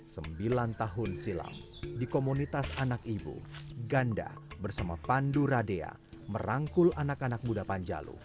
sembilan tahun silam di komunitas anak ibu ganda bersama pandu radea merangkul anak anak muda panjalu